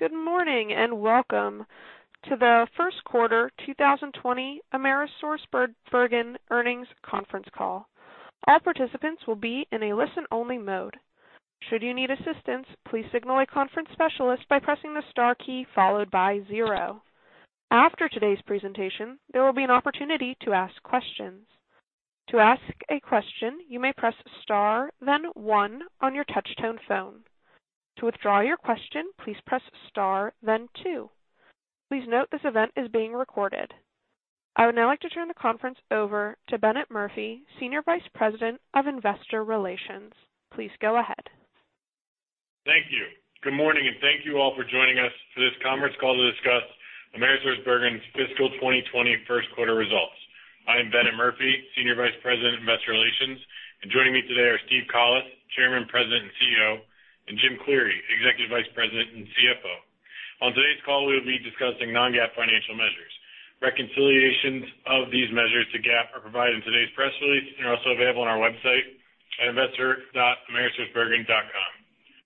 Good morning, and welcome to the first quarter 2020 AmerisourceBergen earnings conference call. All participants will be in a listen-only mode. Should you need assistance, please signal a conference specialist by pressing the star key followed by zero. After today's presentation, there will be an opportunity to ask questions. To ask a question, you may press star then one on your touch-tone phone. To withdraw your question, please press star then two. Please note this event is being recorded. I would now like to turn the conference over to Bennett Murphy, Senior Vice President of Investor Relations. Please go ahead. Thank you. Good morning, and thank you all for joining us for this conference call to discuss AmerisourceBergen's fiscal 2020 first quarter results. I am Bennett Murphy, Senior Vice President, Investor Relations. Joining me today are Steve Collis, Chairman, President, and CEO, and Jim Cleary, Executive Vice President and CFO. On today's call, we will be discussing non-GAAP financial measures. Reconciliations of these measures to GAAP are provided in today's press release and are also available on our website at investor.amerisourcebergen.com.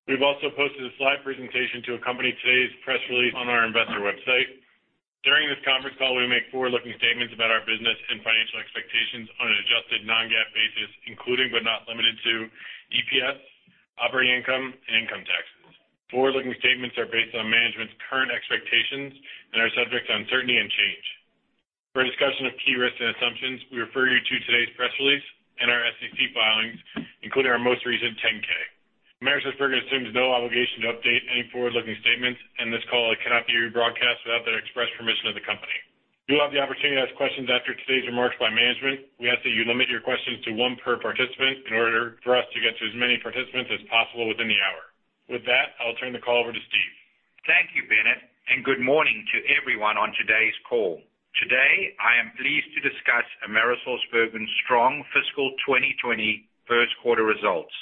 We've also posted a slide presentation to accompany today's press release on our investor website. During this conference call, we will make forward-looking statements about our business and financial expectations on an adjusted non-GAAP basis, including but not limited to EPS, operating income, and income taxes. Forward-looking statements are based on management's current expectations and are subject to uncertainty and change. For a discussion of key risks and assumptions, we refer you to today's press release and our SEC filings, including our most recent 10-K. AmerisourceBergen assumes no obligation to update any forward-looking statements, and this call cannot be rebroadcast without the express permission of the company. You'll have the opportunity to ask questions after today's remarks by management. We ask that you limit your questions to one per participant in order for us to get to as many participants as possible within the hour. With that, I'll turn the call over to Steve. Thank you, Bennett, and good morning to everyone on today's call. Today, I am pleased to discuss AmerisourceBergen's strong fiscal 2020 first quarter results.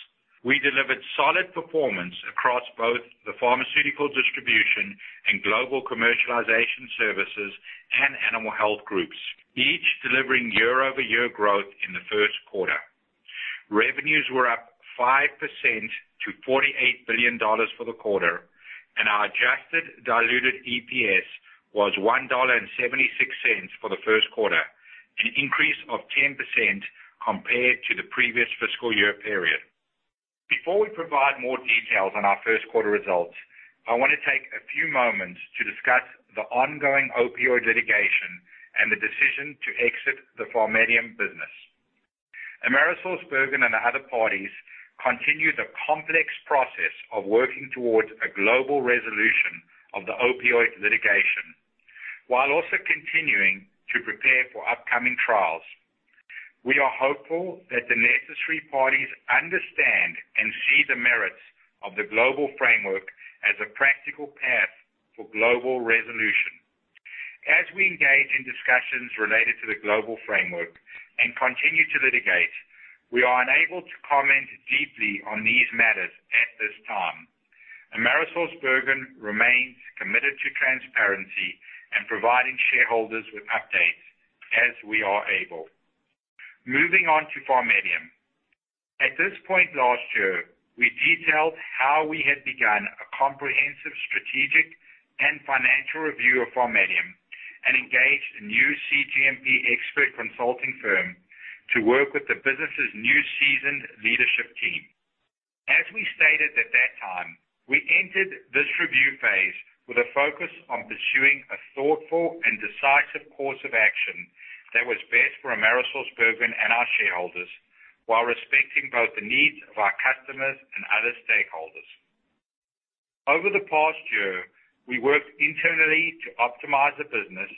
We delivered solid performance across both the Pharmaceutical Distribution and Global Commercialization Services & Animal Health groups, each delivering year-over-year growth in the first quarter. Revenues were up 5% to $48 billion for the quarter, and our adjusted diluted EPS was $1.76 for the first quarter, an increase of 10% compared to the previous fiscal year period. Before we provide more details on our first quarter results, I want to take a few moments to discuss the ongoing opioid litigation and the decision to exit the PharMEDium business. AmerisourceBergen and the other parties continue the complex process of working towards a global resolution of the opioid litigation, while also continuing to prepare for upcoming trials. We are hopeful that the necessary parties understand and see the merits of the global framework as a practical path for global resolution. As we engage in discussions related to the global framework and continue to litigate, we are unable to comment deeply on these matters at this time. AmerisourceBergen remains committed to transparency and providing shareholders with updates as we are able. Moving on to PharMEDium. At this point last year, we detailed how we had begun a comprehensive strategic and financial review of PharMEDium and engaged a new cGMP expert consulting firm to work with the business' new seasoned leadership team. As we stated at that time, we entered this review phase with a focus on pursuing a thoughtful and decisive course of action that was best for AmerisourceBergen and our shareholders while respecting both the needs of our customers and other stakeholders. Over the past year, we worked internally to optimize the business,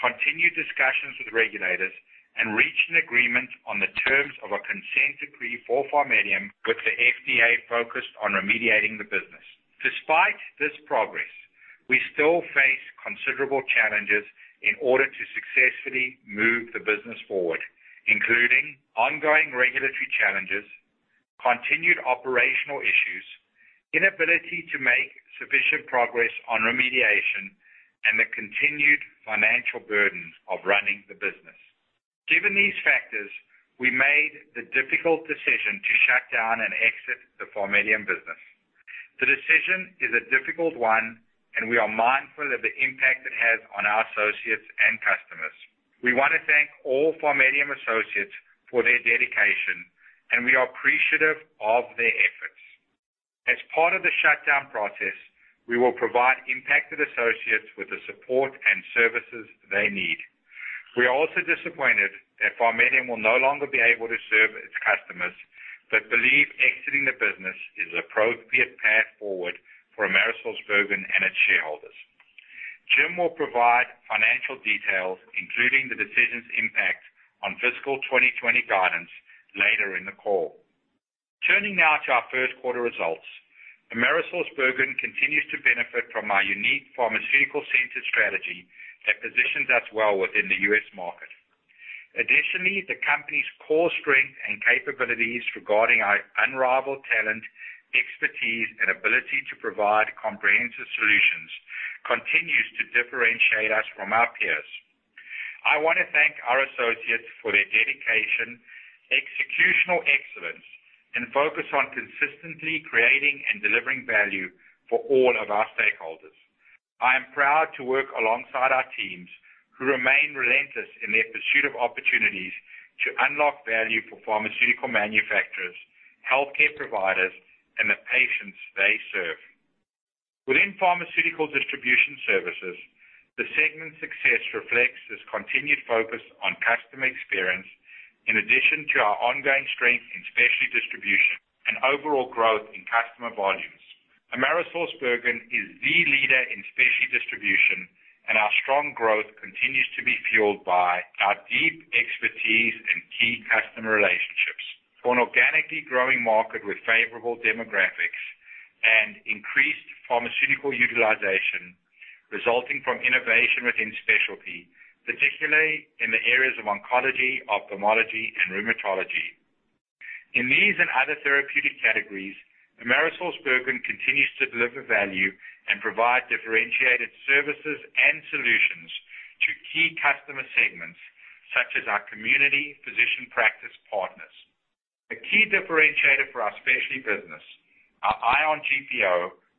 continue discussions with regulators, and reach an agreement on the terms of a consent decree for PharMEDium with the FDA focused on remediating the business. Despite this progress, we still face considerable challenges in order to successfully move the business forward, including ongoing regulatory challenges, continued operational issues, inability to make sufficient progress on remediation, and the continued financial burdens of running the business. Given these factors, we made the difficult decision to shut down and exit the PharMEDium business. The decision is a difficult one, and we are mindful of the impact it has on our associates and customers. We want to thank all PharMEDium associates for their dedication, and we are appreciative of their efforts. As part of the shutdown process, we will provide impacted associates with the support and services they need. We are also disappointed that PharMEDium will no longer be able to serve its customers but believe exiting the business is the appropriate path forward for AmerisourceBergen and its shareholders. Jim will provide financial details, including the decision's impact on fiscal 2020 guidance later in the call. Turning now to our first quarter results. AmerisourceBergen continues to benefit from our unique pharmaceutical-centered strategy that positions us well within the U.S. market. Additionally, the company's core strength and capabilities regarding our unrivaled talent, expertise, and ability to provide comprehensive solutions continues to differentiate us from our peers. I want to thank our associates for their dedication, executional excellence, and focus on consistently creating and delivering value for all of our stakeholders. I am proud to work alongside our teams who remain relentless in their pursuit of opportunities to unlock value for pharmaceutical manufacturers, healthcare providers, and the patients they serve. Within Pharmaceutical Distribution Services, the segment success reflects this continued focus on customer experience, in addition to our ongoing strength in specialty distribution and overall growth in customer volumes. AmerisourceBergen is the leader in specialty distribution, and our strong growth continues to be fueled by our deep expertise and key customer relationships for an organically growing market with favorable demographics and increased pharmaceutical utilization resulting from innovation within specialty, particularly in the areas of oncology, ophthalmology, and rheumatology. In these and other therapeutic categories, AmerisourceBergen continues to deliver value and provide differentiated services and solutions to key customer segments such as our community physician practice partners. A key differentiator for our specialty business, our ION GPO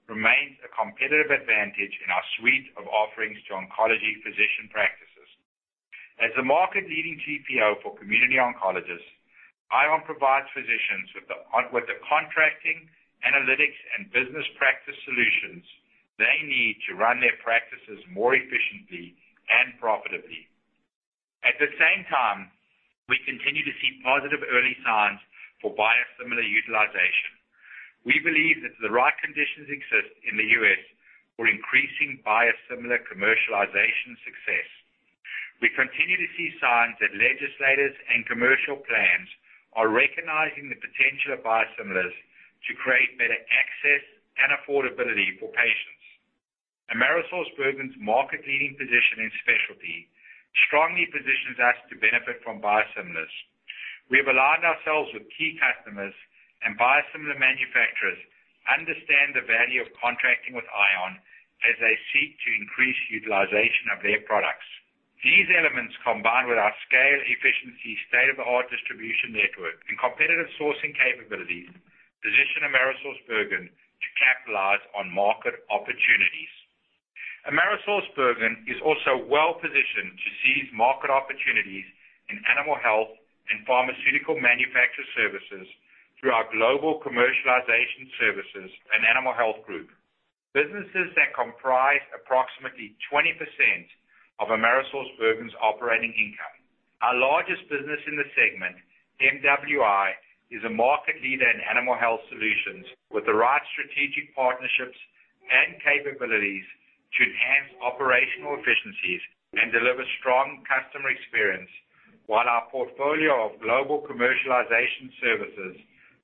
remains a competitive advantage in our suite of offerings to oncology physician practices. As the market-leading GPO for community oncologists, ION Solutions provides physicians with the contracting, analytics, and business practice solutions they need to run their practices more efficiently and profitably. At the same time, we continue to see positive early signs for biosimilar utilization. We believe that the right conditions exist in the U.S. for increasing biosimilar commercialization success. We continue to see signs that legislators and commercial plans are recognizing the potential of biosimilars to create better access and affordability for patients. AmerisourceBergen's market-leading position in specialty strongly positions us to benefit from biosimilars. We have aligned ourselves with key customers, and biosimilar manufacturers understand the value of contracting with ION Solutions as they seek to increase utilization of their products. These elements, combined with our scale, efficiency, state-of-the-art distribution network, and competitive sourcing capabilities, position AmerisourceBergen to capitalize on market opportunities. AmerisourceBergen is also well-positioned to seize market opportunities in animal health and pharmaceutical manufacture services through our Global Commercialization Services and Animal Health group. Businesses that comprise approximately 20% of AmerisourceBergen's operating income. Our largest business in the segment, MWI, is a market leader in animal health solutions with the right strategic partnerships and capabilities to enhance operational efficiencies and deliver strong customer experience, while our portfolio of global commercialization services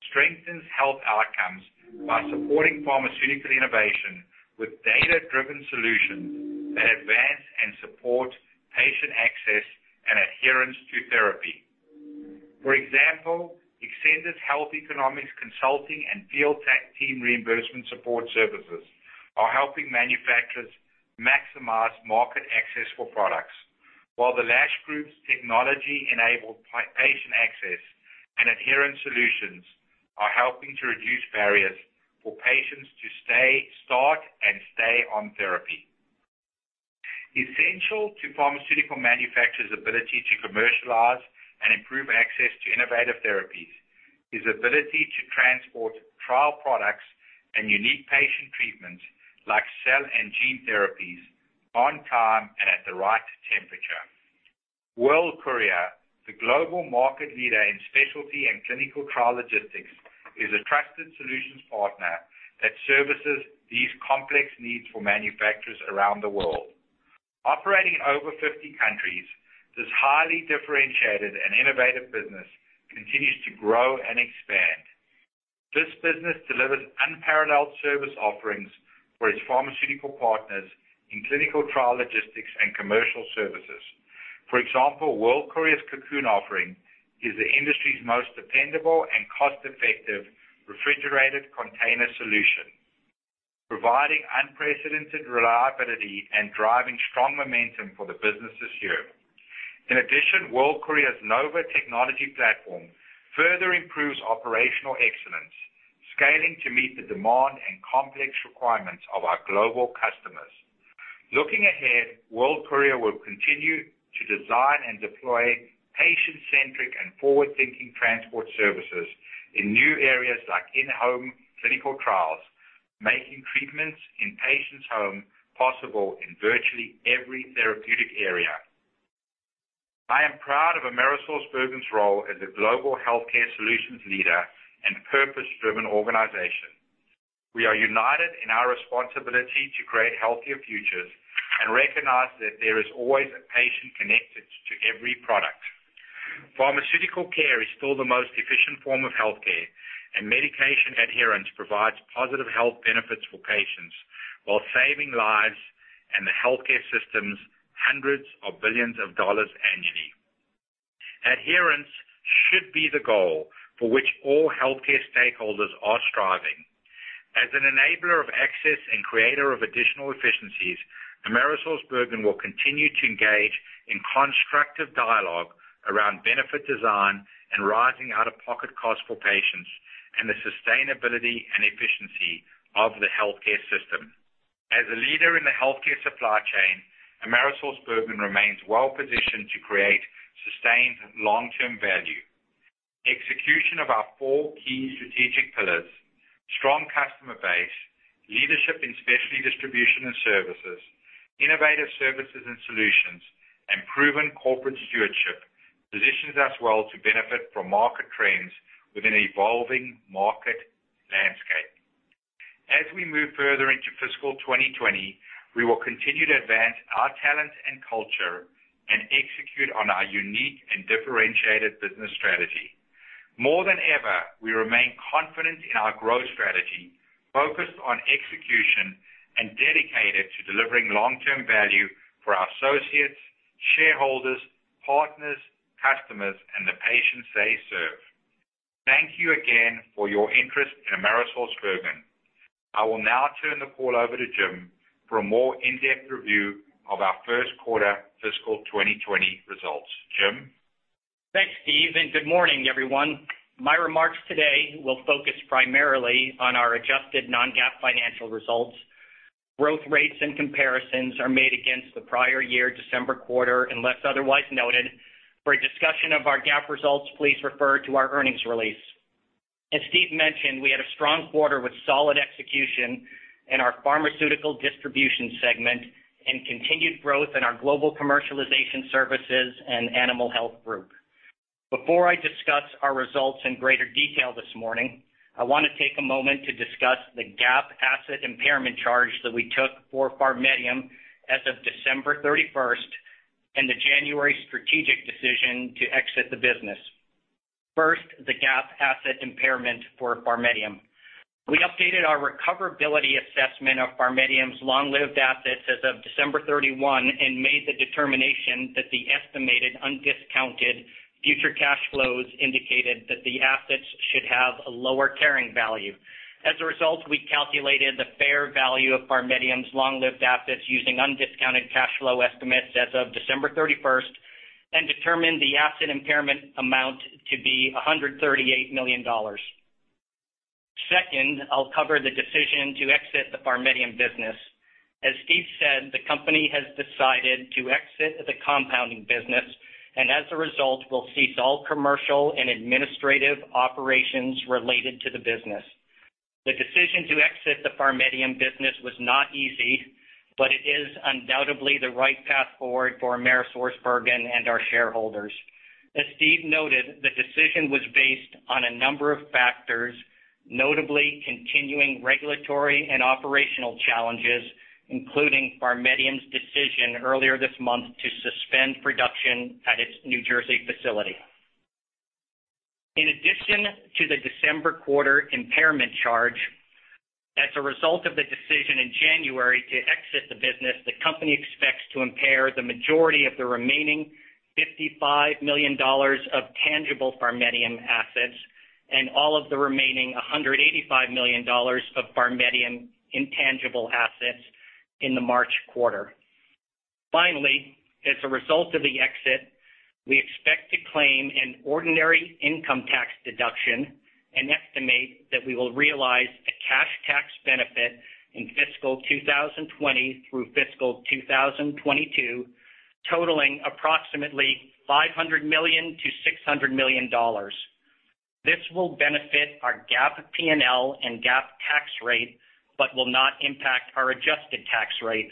strengthens health outcomes by supporting pharmaceutical innovation with data-driven solutions that advance and support patient access and adherence to therapy. For example, extended health economics consulting and field tech team reimbursement support services are helping manufacturers maximize market access for products. The Lash Group's technology-enabled patient access and adherence solutions are helping to reduce barriers for patients to start and stay on therapy. Essential to pharmaceutical manufacturers' ability to commercialize and improve access to innovative therapies is ability to transport trial products and unique patient treatments like cell and gene therapies on time and at the right temperature. World Courier, the global market leader in specialty and clinical trial logistics, is a trusted solutions partner that services these complex needs for manufacturers around the world. Operating in over 50 countries, this highly differentiated and innovative business continues to grow and expand. This business delivers unparalleled service offerings for its pharmaceutical partners in clinical trial logistics and commercial services. For example, World Courier's Cocoon offering is the industry's most dependable and cost-effective refrigerated container solution, providing unprecedented reliability and driving strong momentum for the business this year. In addition, World Courier's Nova technology platform further improves operational excellence, scaling to meet the demand and complex requirements of our global customers. Looking ahead, World Courier will continue to design and deploy patient-centric and forward-thinking transport services in new areas like in-home clinical trials, making treatments in patients' home possible in virtually every therapeutic area. I am proud of AmerisourceBergen's role as a global healthcare solutions leader and purpose-driven organization. We are united in our responsibility to create healthier futures and recognize that there is always a patient connected to every product. Pharmaceutical care is still the most efficient form of healthcare, and medication adherence provides positive health benefits for patients while saving lives and the healthcare systems hundreds of billions of dollars annually. Adherence should be the goal for which all healthcare stakeholders are striving. As an enabler of access and creator of additional efficiencies, AmerisourceBergen will continue to engage in constructive dialogue around benefit design and rising out-of-pocket costs for patients, and the sustainability and efficiency of the healthcare system. As a leader in the healthcare supply chain, AmerisourceBergen remains well-positioned to create sustained long-term value. Execution of our four key strategic pillars: strong customer base, leadership in specialty distribution and services, innovative services and solutions, and proven corporate stewardship, positions us well to benefit from market trends within an evolving market landscape. As we move further into fiscal 2020, we will continue to advance our talent and culture and execute on our unique and differentiated business strategy. More than ever, we remain confident in our growth strategy, focused on execution, and dedicated to delivering long-term value for our associates, shareholders, partners, customers, and the patients they serve. Thank you again for your interest in AmerisourceBergen. I will now turn the call over to Jim for a more in-depth review of our first quarter fiscal 2020 results. Jim? Thanks, Steve. Good morning, everyone. My remarks today will focus primarily on our adjusted non-GAAP financial results. Growth rates and comparisons are made against the prior year December quarter, unless otherwise noted. For a discussion of our GAAP results, please refer to our earnings release. As Steve mentioned, we had a strong quarter with solid execution in our Pharmaceutical Distribution segment and continued growth in our Global Commercialization Services and Animal Health group. Before I discuss our results in greater detail this morning, I want to take a moment to discuss the GAAP asset impairment charge that we took for PharMEDium as of December 31st and the January strategic decision to exit the business. First, the GAAP asset impairment for PharMEDium. We updated our recoverability assessment of PharMEDium's long-lived assets as of December 31 and made the determination that the estimated undiscounted future cash flows indicated that the assets should have a lower carrying value. We calculated the fair value of PharMEDium's long-lived assets using undiscounted cash flow estimates as of December 31st and determined the asset impairment amount to be $138 million. Second, I'll cover the decision to exit the PharMEDium business. As Steve said, the company has decided to exit the compounding business, and as a result, will cease all commercial and administrative operations related to the business. The decision to exit the PharMEDium business was not easy, but it is undoubtedly the right path forward for AmerisourceBergen and our shareholders. As Steve noted, the decision was based on a number of factors, notably continuing regulatory and operational challenges, including PharMEDium's decision earlier this month to suspend production at its New Jersey facility. In addition to the December quarter impairment charge, as a result of the decision in January to exit the business, the company expects to impair the majority of the remaining $55 million of tangible PharMEDium assets and all of the remaining $185 million of PharMEDium intangible assets in the March quarter. Finally, as a result of the exit, we expect to claim an ordinary income tax deduction and estimate that we will realize a cash tax benefit in fiscal 2020 through fiscal 2022 totaling approximately $500 million-$600 million. This will benefit our GAAP P&L and GAAP tax rate, but will not impact our adjusted tax rate.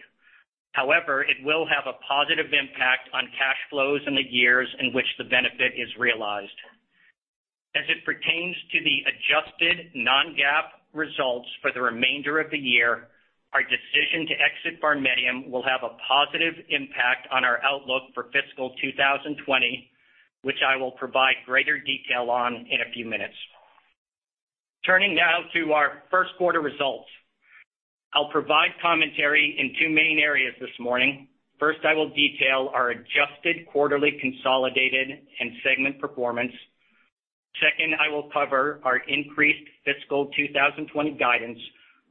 It will have a positive impact on cash flows in the years in which the benefit is realized. As it pertains to the adjusted non-GAAP results for the remainder of the year, our decision to exit PharMEDium will have a positive impact on our outlook for fiscal 2020, which I will provide greater detail on in a few minutes. Turning now to our first quarter results. I'll provide commentary in two main areas this morning. First, I will detail our adjusted quarterly consolidated and segment performance. Second, I will cover our increased fiscal 2020 guidance,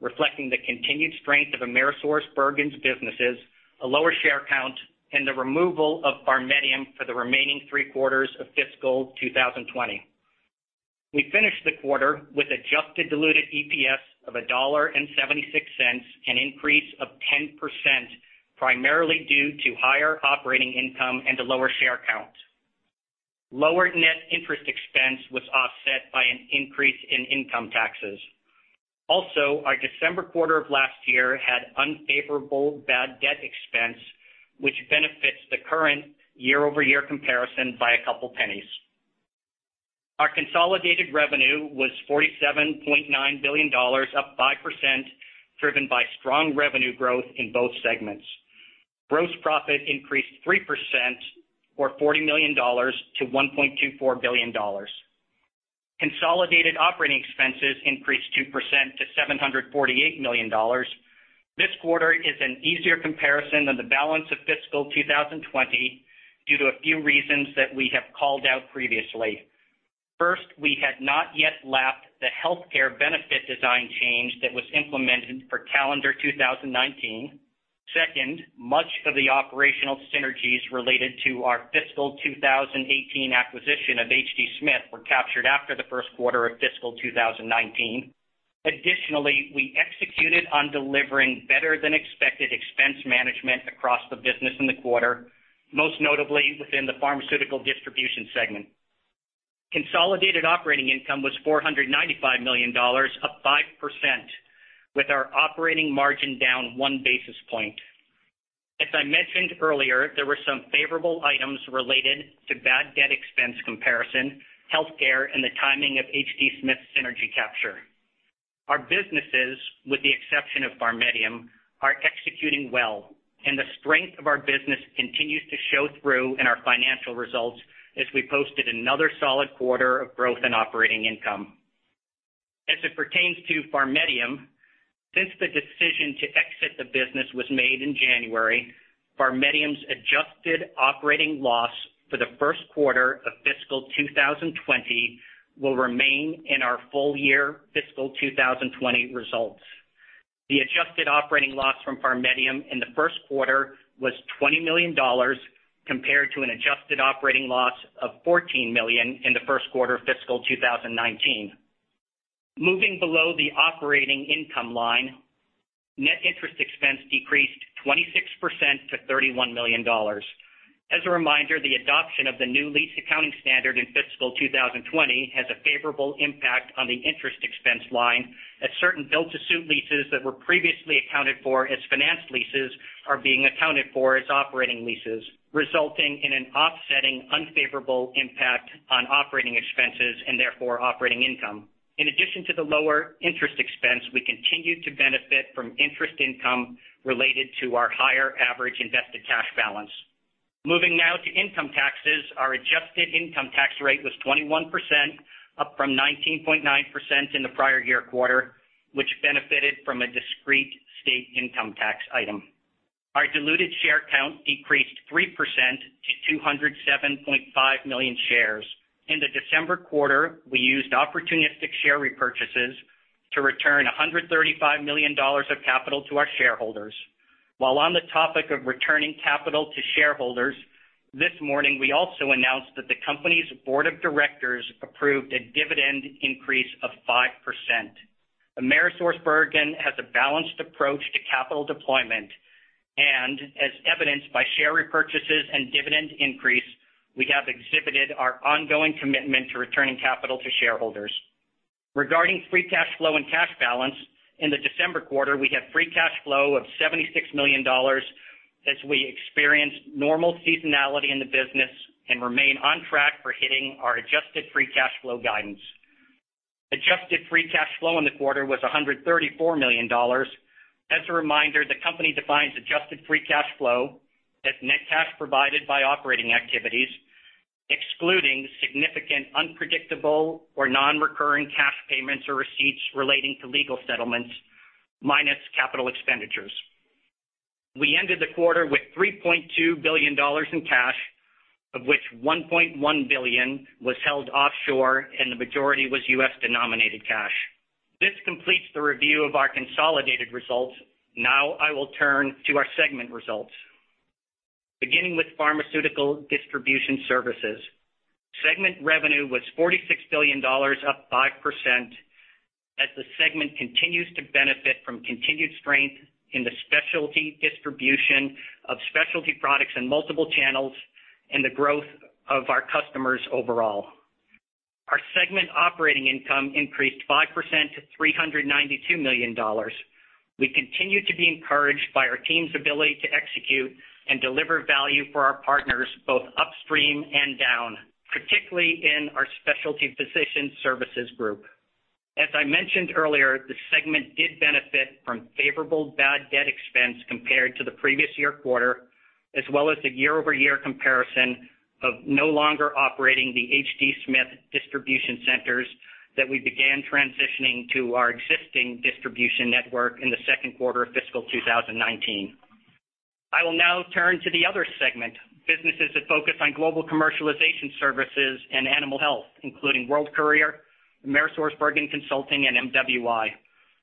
reflecting the continued strength of AmerisourceBergen's businesses, a lower share count, and the removal of PharMEDium for the remaining three quarters of fiscal 2020. We finished the quarter with adjusted diluted EPS of $1.76, an increase of 10%, primarily due to higher operating income and a lower share count. Lower net interest expense was offset by an increase in income taxes. Our December quarter of last year had unfavorable bad debt expense, which benefits the current year-over-year comparison by a couple pennies. Our consolidated revenue was $47.9 billion, up 5%, driven by strong revenue growth in both segments. Gross profit increased 3%, or $40 million-$1.24 billion. Consolidated operating expenses increased 2% to $748 million. This quarter is an easier comparison than the balance of fiscal 2020 due to a few reasons that we have called out previously. We had not yet lapped the healthcare benefit design change that was implemented for calendar 2019. Much of the operational synergies related to our fiscal 2018 acquisition of H.D. Smith were captured after the first quarter of fiscal 2019. We executed on delivering better than expected expense management across the business in the quarter, most notably within the Pharmaceutical Distribution segment. Consolidated operating income was $495 million, up 5%, with our operating margin down one basis point. As I mentioned earlier, there were some favorable items related to bad debt expense comparison, healthcare, and the timing of H.D. Smith's synergy capture. Our businesses, with the exception of PharMEDium, are executing well, and the strength of our business continues to show through in our financial results as we posted another solid quarter of growth and operating income. As it pertains to PharMEDium, since the decision to exit the business was made in January, PharMEDium's adjusted operating loss for the first quarter of fiscal 2020 will remain in our full year fiscal 2020 results. The adjusted operating loss from PharMEDium in the first quarter was $20 million compared to an adjusted operating loss of $14 million in the first quarter of fiscal 2019. Moving below the operating income line, net interest expense decreased 26% to $31 million. As a reminder, the adoption of the new lease accounting standard in fiscal 2020 has a favorable impact on the interest expense line as certain build-to-suit leases that were previously accounted for as financed leases are being accounted for as operating leases, resulting in an offsetting unfavorable impact on operating expenses and therefore operating income. In addition to the lower interest expense, we continue to benefit from interest income related to our higher average invested cash balance. Moving now to income taxes, our adjusted income tax rate was 21%, up from 19.9% in the prior year quarter, which benefited from a discrete state income tax item. Our diluted share count decreased 3% to 207.5 million shares. In the December quarter, we used opportunistic share repurchases to return $135 million of capital to our shareholders. While on the topic of returning capital to shareholders, this morning, we also announced that the company's board of directors approved a dividend increase of 5%. AmerisourceBergen has a balanced approach to capital deployment and, as evidenced by share repurchases and dividend increase, we have exhibited our ongoing commitment to returning capital to shareholders. Regarding free cash flow and cash balance, in the December quarter, we had free cash flow of $76 million as we experienced normal seasonality in the business and remain on track for hitting our adjusted free cash flow guidance. Adjusted free cash flow in the quarter was $134 million. As a reminder, the company defines adjusted free cash flow as net cash provided by operating activities, excluding significant unpredictable or non-recurring cash payments or receipts relating to legal settlements, minus capital expenditures. We ended the quarter with $3.2 billion in cash, of which $1.1 billion was held offshore and the majority was U.S.-denominated cash. This completes the review of our consolidated results. Now I will turn to our segment results. Beginning with Pharmaceutical Distribution Services. Segment revenue was $46 billion, up 5%, as the segment continues to benefit from continued strength in the specialty distribution of specialty products in multiple channels and the growth of our customers overall. Our segment operating income increased 5% to $392 million. We continue to be encouraged by our team's ability to execute and deliver value for our partners, both upstream and down, particularly in our Specialty Physician Services Group. As I mentioned earlier, the segment did benefit from favorable bad debt expense compared to the previous year quarter, as well as the year-over-year comparison of no longer operating the H.D. Smith distribution centers that we began transitioning to our existing distribution network in the second quarter of fiscal 2019. I will now turn to the other segment, businesses that focus on Global Commercialization Services & Animal Health, including World Courier, AmerisourceBergen Consulting, and MWI.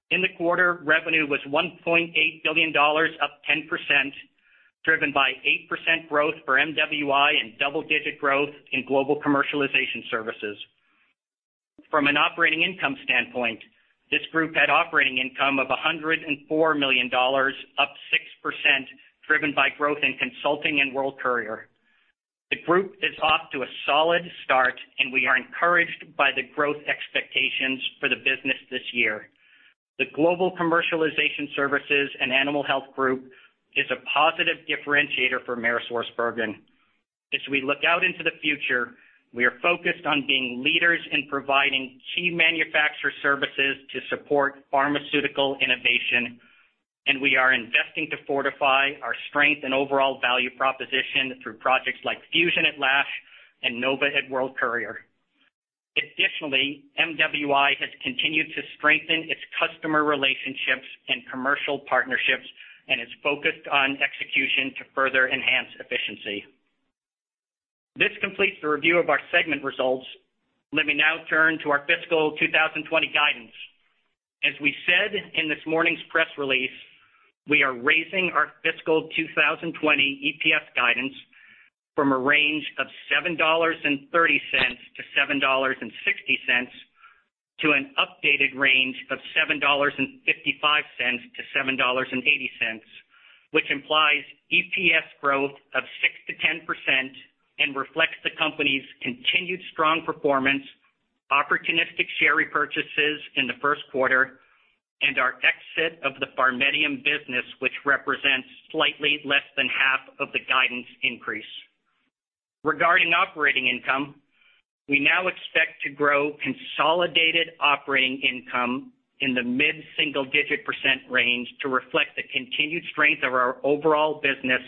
In the quarter, revenue was $1.8 billion, up 10%, driven by 8% growth for MWI and double-digit growth in Global Commercialization Services. From an operating income standpoint, this group had operating income of $104 million, up 6%, driven by growth in Consulting and World Courier. The group is off to a solid start, we are encouraged by the growth expectations for the business this year. The Global Commercialization Services and Animal Health Group is a positive differentiator for AmerisourceBergen. As we look out into the future, we are focused on being leaders in providing key manufacturer services to support pharmaceutical innovation. We are investing to fortify our strength and overall value proposition through projects like Fusion at Lash and Nova at World Courier. Additionally, MWI has continued to strengthen its customer relationships and commercial partnerships and is focused on execution to further enhance efficiency. This completes the review of our segment results. Let me now turn to our fiscal 2020 guidance. As we said in this morning's press release, we are raising our fiscal 2020 EPS guidance from a range of $7.30-$7.60 to an updated range of $7.55-$7.80, which implies EPS growth of 6%-10% and reflects the company's continued strong performance, opportunistic share repurchases in the first quarter, and our exit of the PharMEDium business, which represents slightly less than half of the guidance increase. Regarding operating income, we now expect to grow consolidated operating income in the mid-single digit percent range to reflect the continued strength of our overall business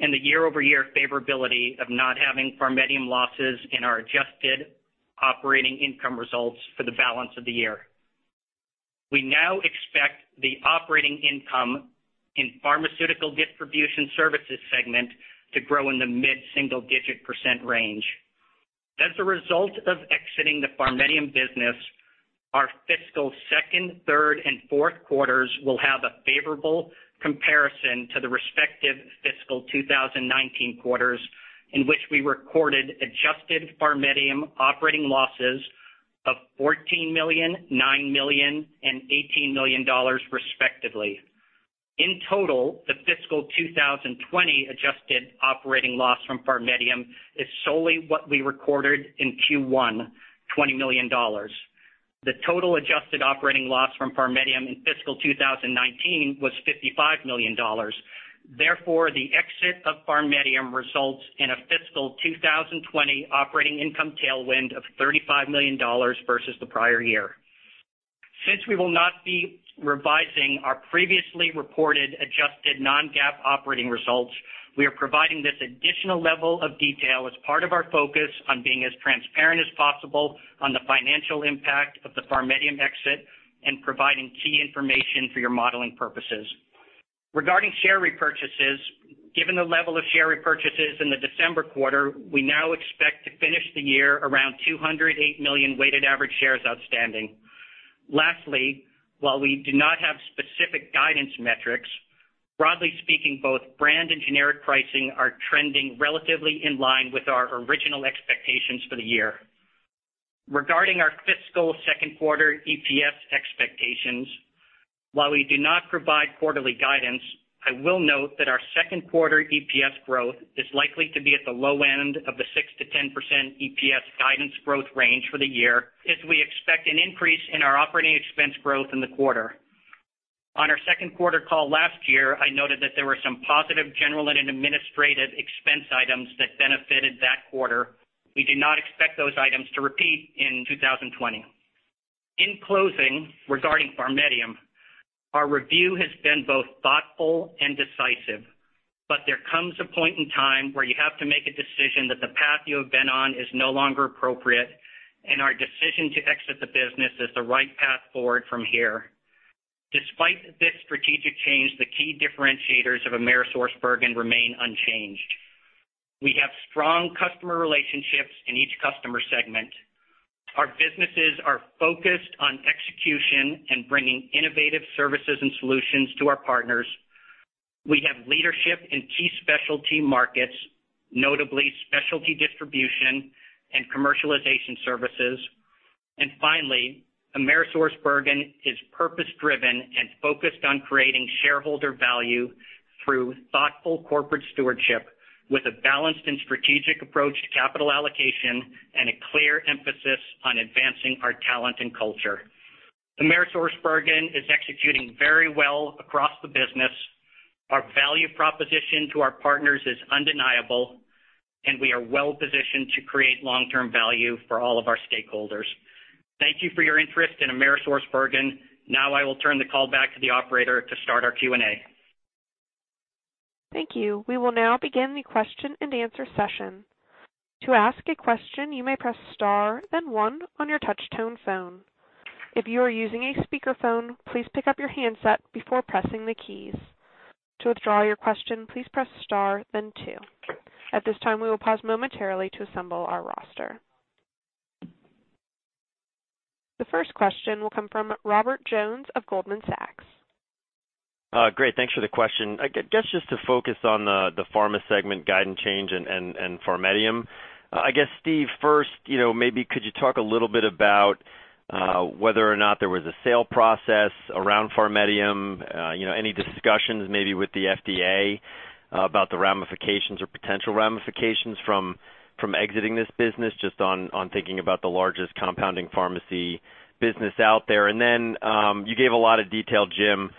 and the year-over-year favorability of not having PharMEDium losses in our adjusted operating income results for the balance of the year. We now expect the operating income in Pharmaceutical Distribution Services segment to grow in the mid-single digit percent range. As a result of exiting the PharMEDium business, our fiscal second, third, and fourth quarters will have a favorable comparison to the respective fiscal 2019 quarters, in which we recorded adjusted PharMEDium operating losses of $14 million, $9 million, and $18 million respectively. The fiscal 2020 adjusted operating loss from PharMEDium is solely what we recorded in Q1, $20 million. The total adjusted operating loss from PharMEDium in fiscal 2019 was $55 million. The exit of PharMEDium results in a fiscal 2020 operating income tailwind of $35 million versus the prior year. We will not be revising our previously reported adjusted non-GAAP operating results, we are providing this additional level of detail as part of our focus on being as transparent as possible on the financial impact of the PharMEDium exit and providing key information for your modeling purposes. Regarding share repurchases, given the level of share repurchases in the December quarter, we now expect to finish the year around 208 million weighted average shares outstanding. Lastly, while we do not have specific guidance metrics, broadly speaking, both brand and generic pricing are trending relatively in line with our original expectations for the year. Regarding our fiscal second quarter EPS expectations, while we do not provide quarterly guidance, I will note that our second quarter EPS growth is likely to be at the low end of the 6%-10% EPS guidance growth range for the year, as we expect an increase in our operating expense growth in the quarter. On our second quarter call last year, I noted that there were some positive general and administrative expense items that benefited that quarter. We do not expect those items to repeat in 2020. In closing, regarding PharMEDium, our review has been both thoughtful and decisive, but there comes a point in time where you have to make a decision that the path you have been on is no longer appropriate, and our decision to exit the business is the right path forward from here. Despite this strategic change, the key differentiators of AmerisourceBergen remain unchanged. We have strong customer relationships in each customer segment. Our businesses are focused on execution and bringing innovative services and solutions to our partners. We have leadership in key specialty markets, notably specialty distribution and commercialization services. Finally, AmerisourceBergen is purpose-driven and focused on creating shareholder value through thoughtful corporate stewardship with a balanced and strategic approach to capital allocation and a clear emphasis on advancing our talent and culture. AmerisourceBergen is executing very well across the business. Our value proposition to our partners is undeniable, and we are well positioned to create long-term value for all of our stakeholders. Thank you for your interest in AmerisourceBergen. I will turn the call back to the operator to start our Q&A. Thank you. We will now begin the Q&A session. To ask a question, you may press star, then one on your touch-tone phone. If you are using a speakerphone, please pick up your handset before pressing the keys. To withdraw your question, please press star, then two. At this time, we will pause momentarily to assemble our roster. The first question will come from Robert Jones of Goldman Sachs. Great, thanks for the question. I guess just to focus on the pharma segment guidance change and PharMEDium. I guess, Steve, first, maybe could you talk a little bit about whether or not there was a sale process around PharMEDium, any discussions maybe with the FDA about the ramifications or potential ramifications from exiting this business, just on thinking about the largest compounding pharmacy business out there. You gave a lot of detail, Jim,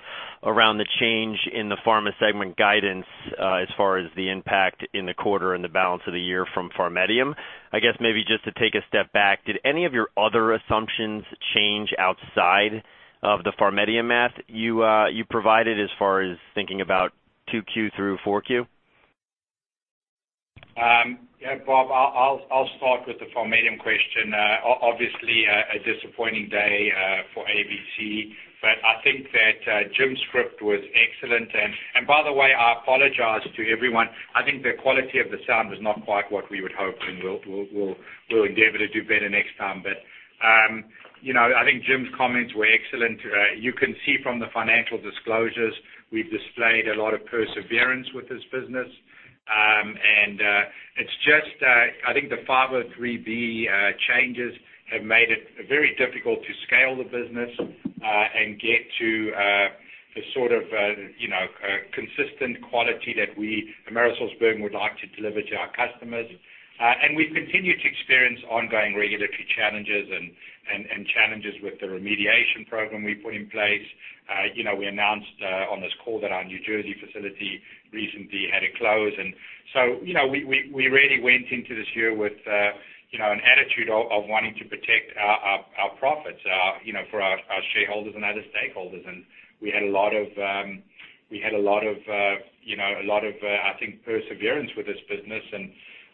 around the change in the pharma segment guidance as far as the impact in the quarter and the balance of the year from PharMEDium. I guess maybe just to take a step back, did any of your other assumptions change outside of the PharMEDium math you provided as far as thinking about 2Q through 4Q? Yeah, Bob, I'll start with the PharMEDium question. Obviously, a disappointing day for ABC, I think that Jim's script was excellent. By the way, I apologize to everyone. I think the quality of the sound was not quite what we would hope, and we'll endeavor to do better next time. I think Jim's comments were excellent. You can see from the financial disclosures, we've displayed a lot of perseverance with this business. It's just, I think the 503B changes have made it very difficult to scale the business and get to a consistent quality that we, AmerisourceBergen, would like to deliver to our customers. We've continued to experience ongoing regulatory challenges and challenges with the remediation program we put in place. We announced on this call that our New Jersey facility recently had to close. We really went into this year with an attitude of wanting to protect our profits for our shareholders and other stakeholders. We had a lot of, I think, perseverance with this business.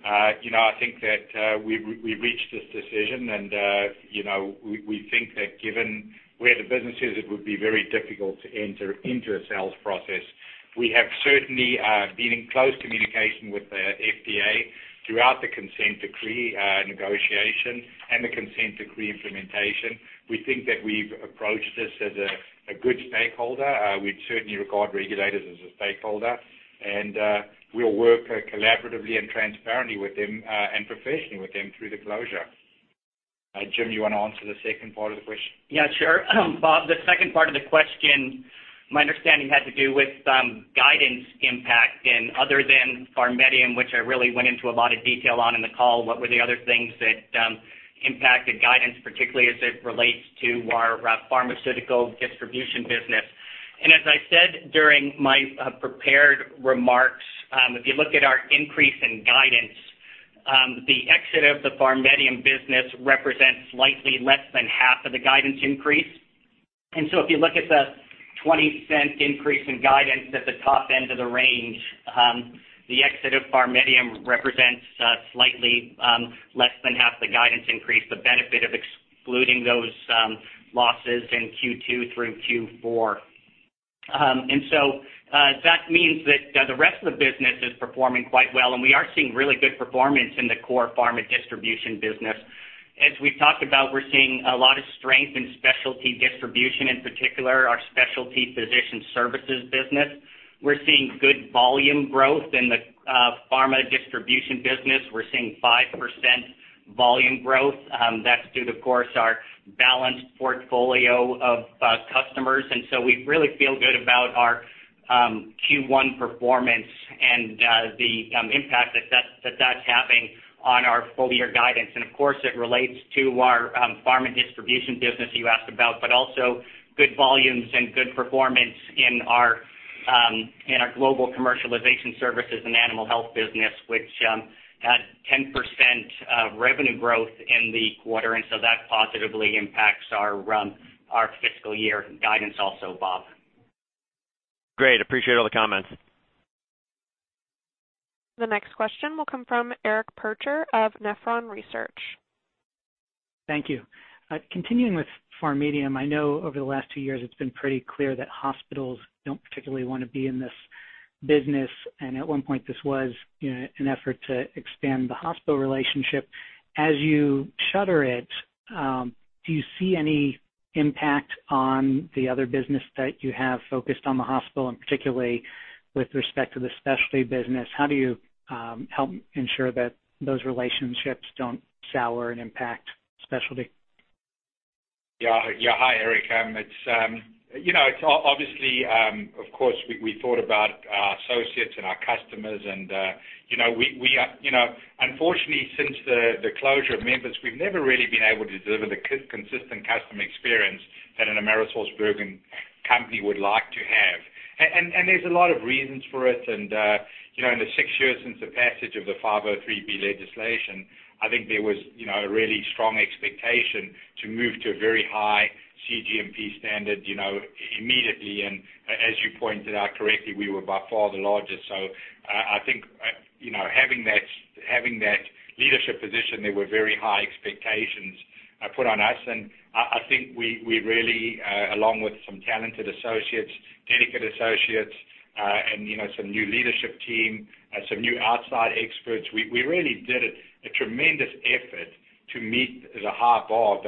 I think that we've reached this decision and we think that given where the business is, it would be very difficult to enter into a sales process. We have certainly been in close communication with the FDA throughout the consent decree negotiation and the consent decree implementation. We think that we've approached this as a good stakeholder. We'd certainly regard regulators as a stakeholder, and we'll work collaboratively and transparently with them and professionally with them through the closure. Jim, you want to answer the second part of the question? Yeah, sure. Bob, the second part of the question, my understanding, had to do with guidance impact and other than PharMEDium, which I really went into a lot of detail on in the call, what were the other things that impacted guidance, particularly as it relates to our pharmaceutical distribution business. As I said during my prepared remarks, if you look at our increase in guidance, the exit of the PharMEDium business represents slightly less than half of the guidance increase. If you look at the $0.20 increase in guidance at the top end of the range, the exit of PharMEDium represents slightly less than half the guidance increase, the benefit of excluding those losses in Q2 through Q4. That means that the rest of the business is performing quite well, and we are seeing really good performance in the core pharma distribution business. As we've talked about, we're seeing a lot of strength in specialty distribution, in particular, our Specialty Physician Services business. We're seeing good volume growth in the Pharma Distribution business. We're seeing 5% volume growth. That's due, of course, our balanced portfolio of customers. We really feel good about our Q1 performance and the impact that that's having on our full-year guidance. Of course, it relates to our Pharma Distribution business you asked about, but also good volumes and good performance in our Global Commercialization Services & Animal Health business, which had 10% revenue growth in the quarter. That positively impacts our fiscal year guidance also, Bob. Great. Appreciate all the comments. The next question will come from Eric Percher of Nephron Research. Thank you. Continuing with PharMEDium, I know over the last two years it's been pretty clear that hospitals don't particularly want to be in this business, and at one point this was an effort to expand the hospital relationship. As you shutter it, do you see any impact on the other business that you have focused on the hospital, and particularly with respect to the specialty business, how do you help ensure that those relationships don't sour and impact specialty? Hi, Eric. Obviously, of course, we thought about our associates and our customers. Unfortunately, since the closure of Memphis, we've never really been able to deliver the consistent customer experience that an AmerisourceBergen company would like to have. There's a lot of reasons for it. In the six years since the passage of the Section 503B legislation, I think there was a really strong expectation to move to a very high cGMP standard immediately. As you pointed out correctly, we were by far the largest. I think having that leadership position, there were very high expectations put on us. I think we really, along with some talented associates, dedicated associates, and some new leadership team, some new outside experts, we really did a tremendous effort to meet the high bar.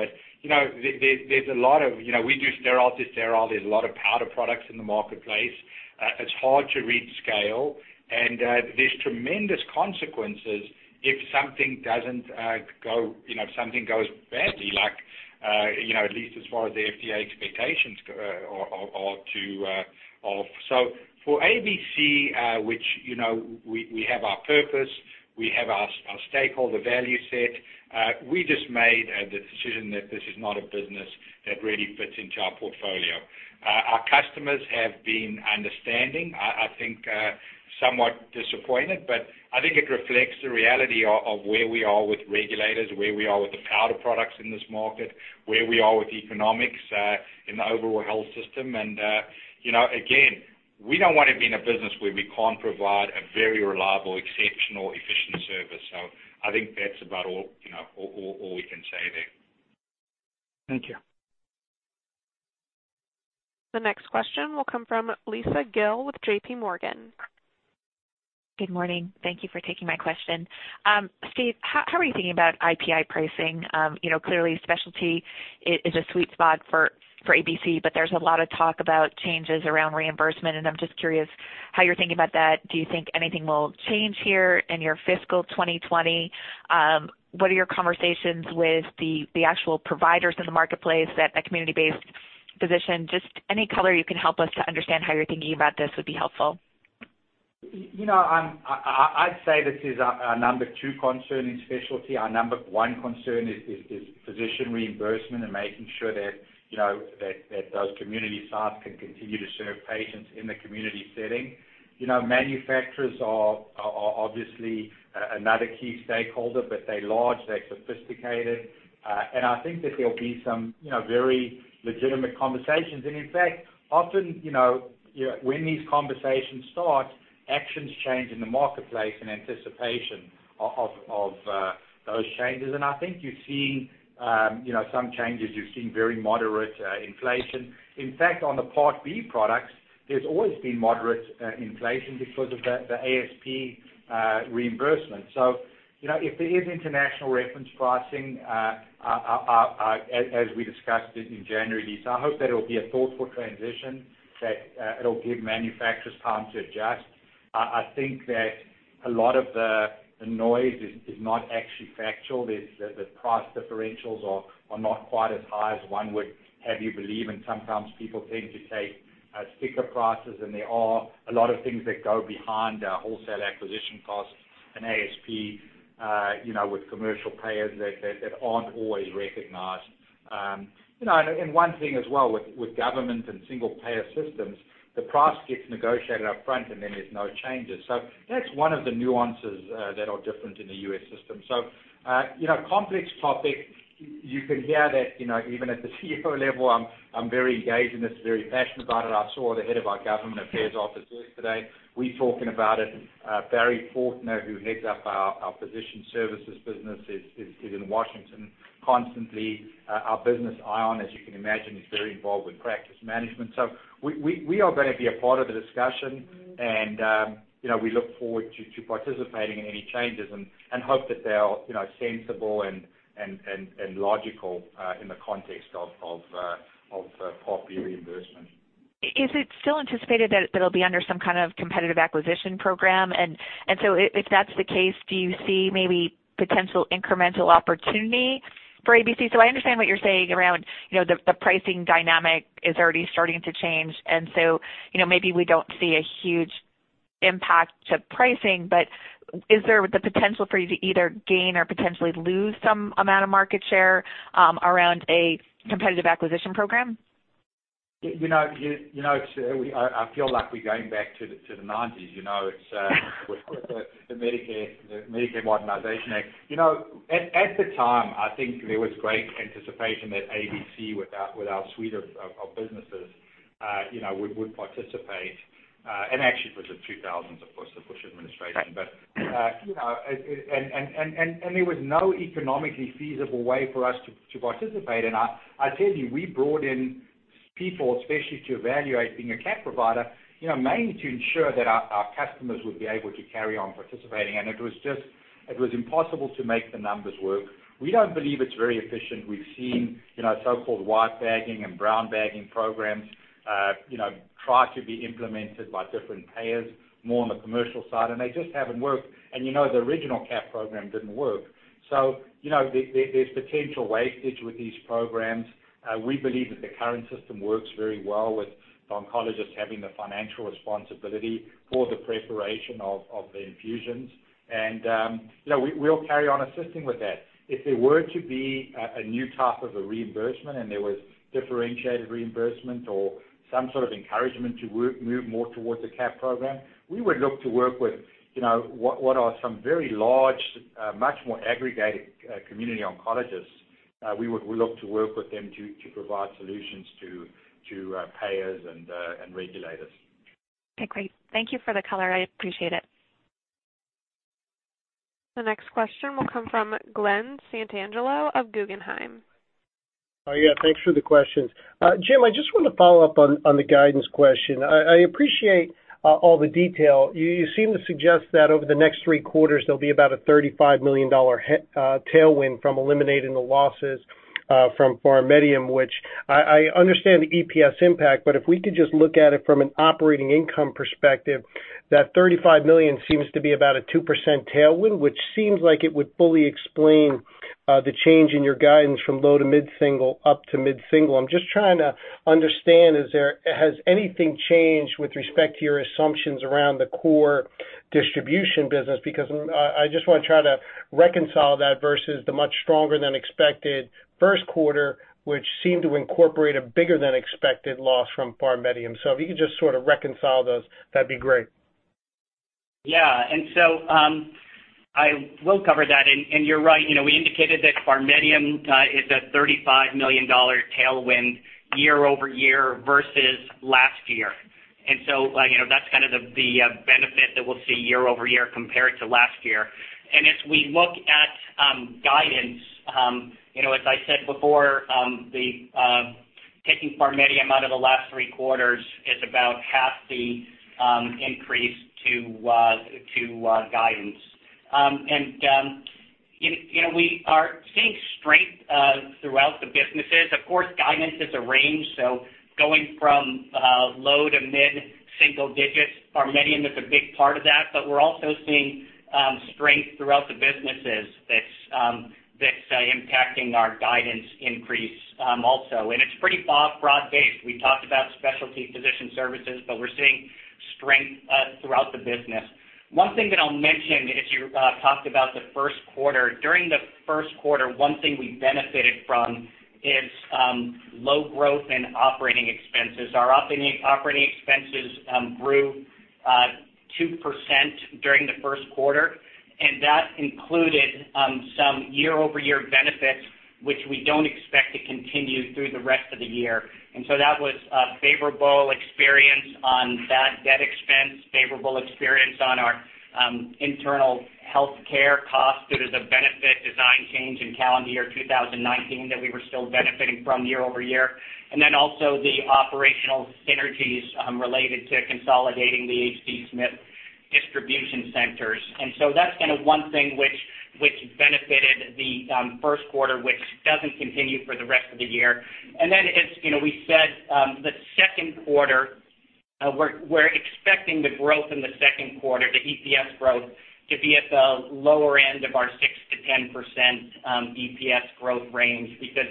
There's a lot of. We do sterile to sterile. There's a lot of powder products in the marketplace. It's hard to reach scale, and there's tremendous consequences if something goes badly, at least as far as the FDA expectations are to. For ABC, which we have our purpose, we have our stakeholder value set, we just made the decision that this is not a business that really fits into our portfolio. Our customers have been understanding, I think, somewhat disappointed, but I think it reflects the reality of where we are with regulators, where we are with the powder products in this market, where we are with economics in the overall health system. Again, we don't want to be in a business where we can't provide a very reliable, exceptional, efficient service. I think that's about all we can say there. Thank you. The next question will come from Lisa Gill with JPMorgan. Good morning. Thank you for taking my question. Steve, how are you thinking about IPI pricing? Clearly specialty is a sweet spot for ABC, but there's a lot of talk about changes around reimbursement, and I'm just curious how you're thinking about that. Do you think anything will change here in your fiscal 2020? What are your conversations with the actual providers in the marketplace, that community-based physician? Just any color you can help us to understand how you're thinking about this would be helpful. I'd say this is our number two concern in specialty. Our number one concern is physician reimbursement and making sure that those community sites can continue to serve patients in the community setting. Manufacturers are obviously another key stakeholder, but they're large, they're sophisticated. I think that there'll be some very legitimate conversations. In fact, often, when these conversations start, actions change in the marketplace in anticipation of those changes. I think you're seeing some changes. You're seeing very moderate inflation. In fact, on the Part B products, there's always been moderate inflation because of the ASP reimbursement. If there is international reference pricing, as we discussed it in January, Lisa, I hope that it'll be a thoughtful transition, that it'll give manufacturers time to adjust. I think that a lot of the noise is not actually factual. The price differentials are not quite as high as one would have you believe. Sometimes people tend to take sticker prices, and there are a lot of things that go behind our wholesale acquisition costs and ASP, with commercial payers that aren't always recognized. One thing as well, with government and single-payer systems, the price gets negotiated up front and then there's no changes. That's one of the nuances that are different in the U.S. system. Complex topic. You can hear that, even at the CEO level, I'm very engaged in this, very passionate about it. I saw the head of our government affairs office yesterday. We're talking about it. Barry Fortner, who heads up our physician services business, is in Washington constantly. Our business, ION Solutions, as you can imagine, is very involved with practice management. We are going to be a part of the discussion, and we look forward to participating in any changes and hope that they are sensible and logical in the context of Part B reimbursement. Is it still anticipated that it'll be under some kind of Competitive Acquisition Program? If that's the case, do you see maybe potential incremental opportunity for ABC? I understand what you're saying around the pricing dynamic is already starting to change. Maybe we don't see a huge impact to pricing, but is there the potential for you to either gain or potentially lose some amount of market share around a Competitive Acquisition Program? I feel like we're going back to the 1990s with the Medicare Modernization Act. At the time, I think there was great anticipation that ABC, with our suite of businesses, would participate. Actually it was the 2000s, of course, the Bush administration. There was no economically feasible way for us to participate. I tell you, we brought in people, especially to evaluate being a CAP provider, mainly to ensure that our customers would be able to carry on participating, and it was impossible to make the numbers work. We don't believe it's very efficient. We've seen so-called white bagging and brown bagging programs try to be implemented by different payers more on the commercial side, and they just haven't worked. The original CAP program didn't work. There's potential wastage with these programs. We believe that the current system works very well with oncologists having the financial responsibility for the preparation of the infusions. We'll carry on assisting with that. If there were to be a new type of a reimbursement and there was differentiated reimbursement or some sort of encouragement to move more towards the CAP program, we would look to work with what are some very large, much more aggregated community oncologists. We would look to work with them to provide solutions to payers and regulators. Okay, great. Thank you for the color. I appreciate it. The next question will come from Glen Santangelo of Guggenheim. Yeah, thanks for the question. Jim, I just want to follow up on the guidance question. I appreciate all the detail. You seem to suggest that over the next three quarters, there'll be about a $35 million tailwind from eliminating the losses from PharMEDium, which I understand the EPS impact, but if we could just look at it from an operating income perspective, that $35 million seems to be about a 2% tailwind, which seems like it would fully explain the change in your guidance from low to mid-single up to mid-single. I'm just trying to understand, has anything changed with respect to your assumptions around the core distribution business? I just want to try to reconcile that versus the much stronger than expected first quarter, which seemed to incorporate a bigger than expected loss from PharMEDium. If you could just sort of reconcile those, that'd be great. Yeah. I will cover that. You're right, we indicated that PharMEDium is a $35 million tailwind year-over-year versus last year. That's the benefit that we'll see year-over-year compared to last year. As we look at guidance, as I said before, taking PharMEDium out of the last three quarters is about half the increase to guidance. We are seeing strength throughout the businesses. Of course, guidance is a range, going from low to mid-single digits, PharMEDium is a big part of that. We're also seeing strength throughout the businesses that's impacting our guidance increase also. It's pretty broad-based. We talked about Specialty Physician Services, we're seeing strength throughout the business. One thing that I'll mention, as you talked about the first quarter, during the first quarter, one thing we benefited from is low growth in operating expenses. Our operating expenses grew 2% during the first quarter. That included some year-over-year benefits, which we don't expect to continue through the rest of the year. That was a favorable experience on bad debt expense, favorable experience on our internal healthcare costs due to the benefit design change in calendar year 2019 that we were still benefiting from year-over-year. Also the operational synergies related to consolidating the H.D. Smith distribution centers. That's one thing which benefited the first quarter, which doesn't continue for the rest of the year. As we said, the second quarter, we're expecting the growth in the second quarter, the EPS growth, to be at the lower end of our 6%-10% EPS growth range because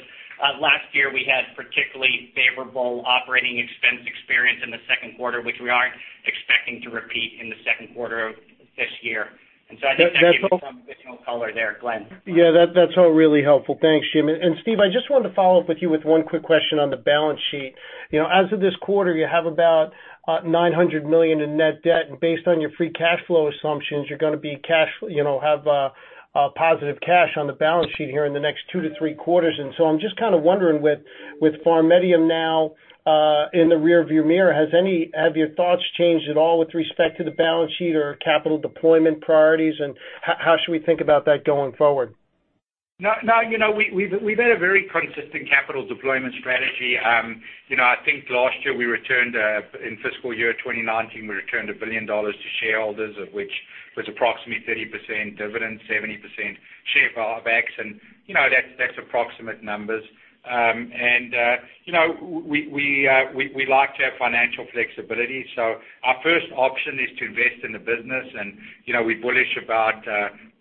last year we had particularly favorable operating expense experience in the second quarter, which we aren't expecting to repeat in the second quarter of this year. I think that gives you some additional color there, Glen. Yeah. That's all really helpful. Thanks, Jim. Steve, I just wanted to follow up with you with one quick question on the balance sheet. As of this quarter, you have about $900 million in net debt, and based on your free cash flow assumptions, you're going to have a positive cash on the balance sheet here in the next two to three quarters. I'm just kind of wondering with PharMEDium now in the rear view mirror, have your thoughts changed at all with respect to the balance sheet or capital deployment priorities, and how should we think about that going forward? No. We've had a very consistent capital deployment strategy. I think last year, in fiscal year 2019, we returned $1 billion to shareholders, of which was approximately 30% dividend, 70% share buybacks, and that's approximate numbers. We like to have financial flexibility. Our first option is to invest in the business. We're bullish about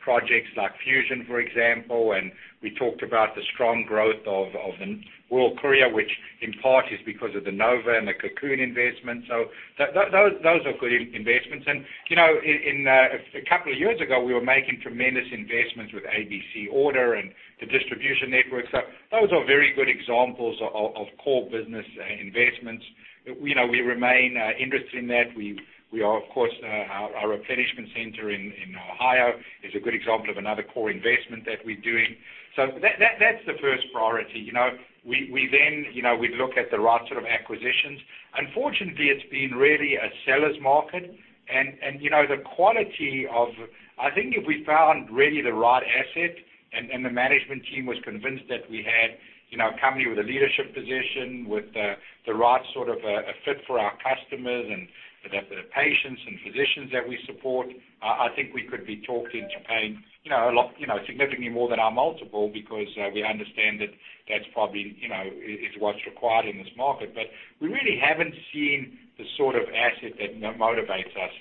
projects like Fusion, for example, and we talked about the strong growth of World Courier, which in part is because of the Nova and the Cocoon investment. Those are good investments. A couple of years ago, we were making tremendous investments with ABC Order and the distribution network. Those are very good examples of core business investments. We remain interested in that. Of course, our replenishment center in Ohio is a good example of another core investment that we're doing. That's the first priority. We look at the right sort of acquisitions. Unfortunately, it's been really a seller's market. I think if we found really the right asset and the management team was convinced that we had a company with a leadership position, with the right sort of a fit for our customers and the patients and physicians that we support, I think we could be talked into paying significantly more than our multiple because we understand that that's probably what's required in this market. We really haven't seen the sort of asset that motivates us.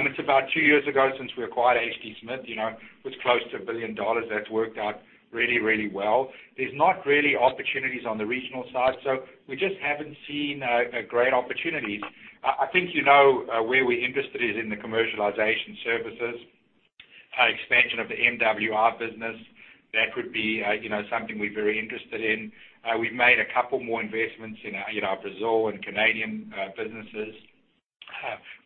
It's about two years ago since we acquired H.D. Smith, it was close to $1 billion. That's worked out really well. There's not really opportunities on the regional side. We just haven't seen great opportunities. I think you know where we're interested is in the commercialization services, expansion of the MWI business. That would be something we're very interested in. We've made a couple more investments in our Brazil and Canadian businesses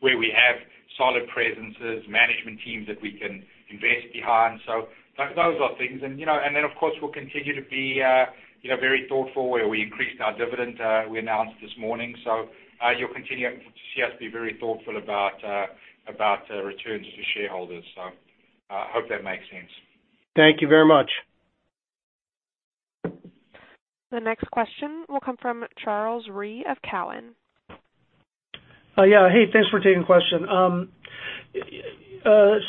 where we have solid presences, management teams that we can invest behind. Those are things. Of course, we'll continue to be very thoughtful where we increased our dividend, we announced this morning. You'll continue to see us be very thoughtful about returns to shareholders. I hope that makes sense. Thank you very much. The next question will come from Charles Rhyee of Cowen. Hey, thanks for taking the question.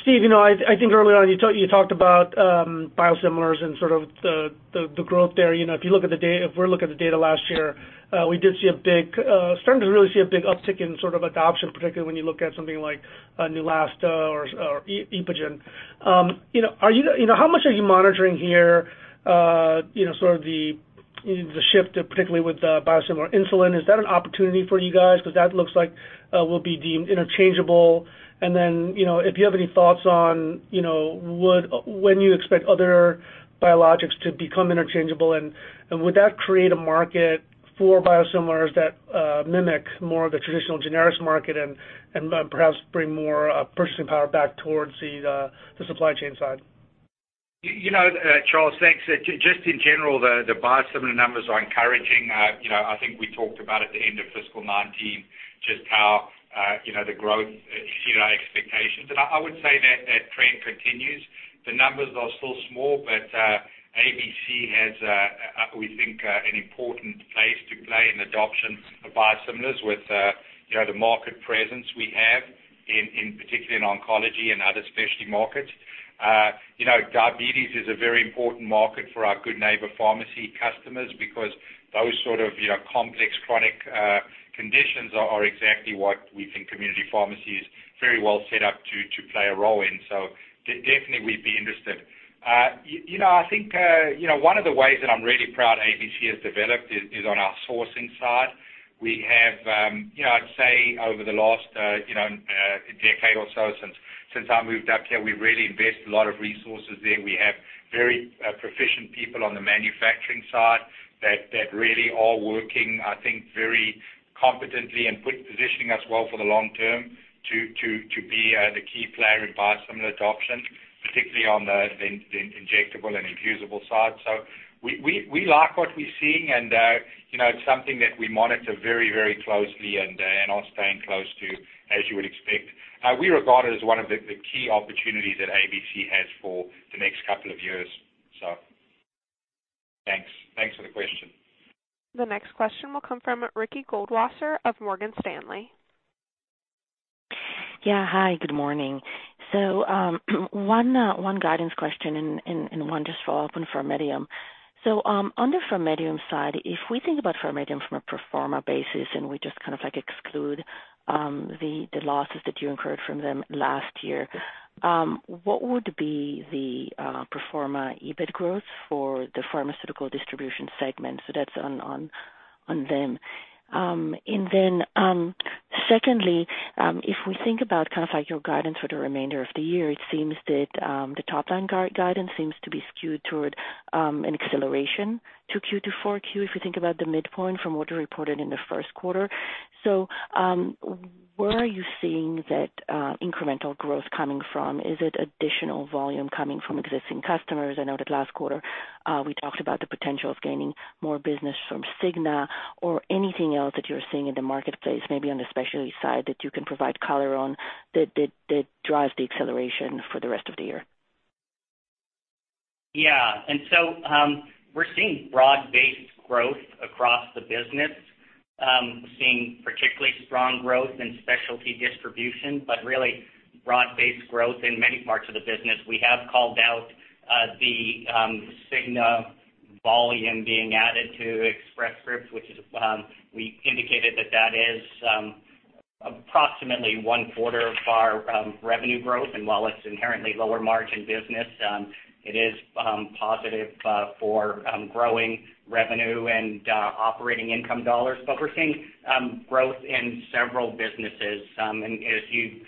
Steve, I think earlier on you talked about biosimilars and sort of the growth there. If we look at the data last year, we did start to really see a big uptick in sort of adoption, particularly when you look at something like Neulasta or EPOGEN. How much are you monitoring here, sort of the shift, particularly with biosimilar insulin? Is that an opportunity for you guys? Because that looks like will be deemed interchangeable. If you have any thoughts on when you expect other biologics to become interchangeable, and would that create a market for biosimilars that mimic more of the traditional generics market and perhaps bring more purchasing power back towards the supply chain side? Charles, thanks. In general, the biosimilar numbers are encouraging. I think we talked about at the end of fiscal 2019, how the growth exceeded our expectations. I would say that trend continues. The numbers are still small. ABC has, we think, an important place to play in adoption of biosimilars with the market presence we have, particularly in oncology and other specialty markets. Diabetes is a very important market for our Good Neighbor Pharmacy customers because those sort of complex chronic conditions are exactly what we think community pharmacy is very well set up to play a role in. Definitely we'd be interested. I think one of the ways that I'm really proud ABC has developed is on our sourcing side. We have, I'd say, over the last decade or so since I moved up here, we've really invested a lot of resources there. We have very proficient people on the manufacturing side that really are working, I think, very competently and positioning us well for the long term to be the key player in biosimilar adoption, particularly on the injectable and infusible side. We like what we're seeing, and it's something that we monitor very closely and are staying close to, as you would expect. We regard it as one of the key opportunities that ABC has for the next couple of years. Thanks for the question. The next question will come from Ricky Goldwasser of Morgan Stanley. Yeah. Hi, good morning. One guidance question and one just follow-up on PharMEDium. On the PharMEDium side, if we think about PharMEDium from a pro forma basis, and we just exclude the losses that you incurred from them last year, what would be the pro forma EBIT growth for the Pharmaceutical Distribution segment? That's on them. Secondly, if we think about your guidance for the remainder of the year, it seems that the top-line guidance seems to be skewed toward an acceleration to Q2, 4Q, if you think about the midpoint from what you reported in the first quarter. Where are you seeing that incremental growth coming from? Is it additional volume coming from existing customers? I know that last quarter, we talked about the potential of gaining more business from Cigna or anything else that you're seeing in the marketplace, maybe on the specialty side, that you can provide color on that drives the acceleration for the rest of the year. Yeah. We're seeing broad-based growth across the business, seeing particularly strong growth in specialty distribution, but really broad-based growth in many parts of the business. We have called out the Cigna volume being added to Express Scripts, which we indicated that that is approximately one-quarter of our revenue growth. While it's inherently lower-margin business, it is positive for growing revenue and operating income dollars. We're seeing growth in several businesses. As you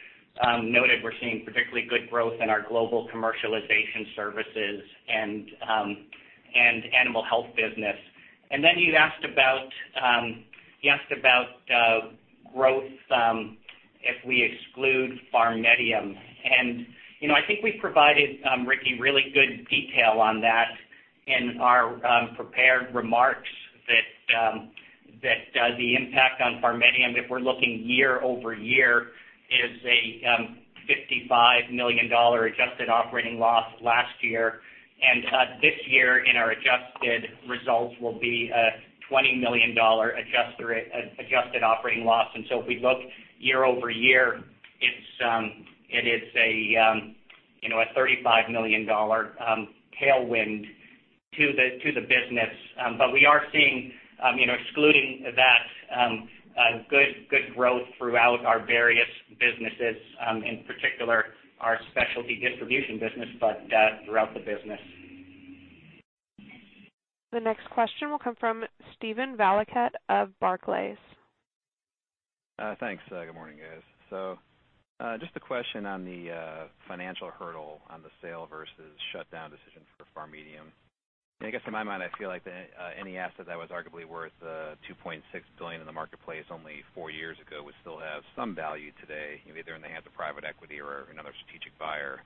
noted, we're seeing particularly good growth in our Global Commercialization Services & Animal Health business. You'd asked about growth, if we exclude PharMEDium. I think we provided, Ricky, really good detail on that in our prepared remarks that the impact on PharMEDium, if we're looking year-over-year, is a $55 million adjusted operating loss last year. This year in our adjusted results will be a $20 million adjusted operating loss. If we look year-over-year, it is a $35 million tailwind to the business. We are seeing, excluding that, good growth throughout our various businesses, in particular our specialty distribution business, but throughout the business. The next question will come from Steven Valiquette of Barclays. Thanks. Good morning, guys. Just a question on the financial hurdle on the sale versus shutdown decision for PharMEDium. I guess in my mind, I feel like any asset that was arguably worth $2.6 billion in the marketplace only four years ago would still have some value today, either in the hands of private equity or another strategic buyer.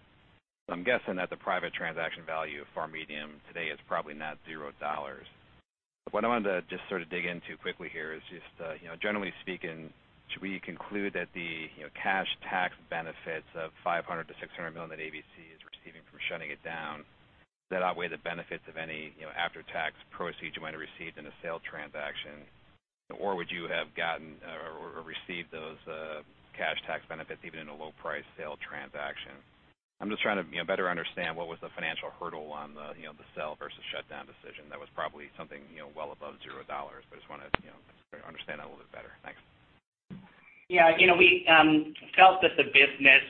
I'm guessing that the private transaction value of PharMEDium today is probably not $0. What I wanted to just sort of dig into quickly here is just, generally speaking, should we conclude that the cash tax benefits of $500 million-$600 million that ABC is receiving from shutting it down, does that outweigh the benefits of any after-tax proceeds you might have received in a sale transaction? Would you have gotten or received those cash tax benefits even in a low-price sale transaction? I'm just trying to better understand what was the financial hurdle on the sell versus shutdown decision that was probably something well above $0. I just want to understand that a little bit better. Thanks. Yeah. We felt that the business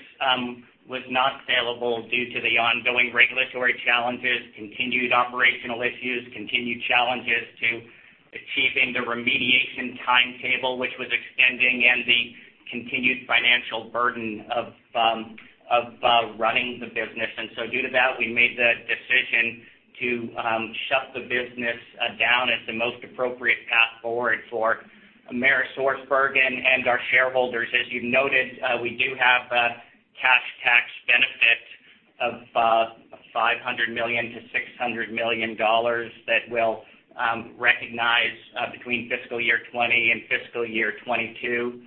was not saleable due to the ongoing regulatory challenges, continued operational issues, continued challenges to achieving the remediation timetable, which was extending, and the continued financial burden of running the business. Due to that, we made the decision to shut the business down as the most appropriate path forward for AmerisourceBergen and our shareholders, as you've noted, we do have a cash tax benefit of $500 million-$600 million that we'll recognize between fiscal year 2020 and fiscal year 2022.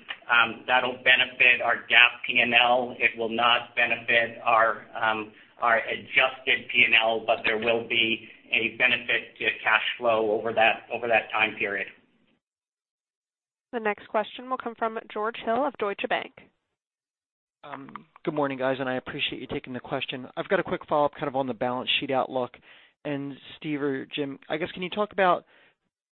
That'll benefit our GAAP P&L. It will not benefit our adjusted P&L, but there will be a benefit to cash flow over that time period. The next question will come from George Hill of Deutsche Bank. Good morning, guys, and I appreciate you taking the question. I've got a quick follow-up on the balance sheet outlook. Steve or Jim, I guess can you talk about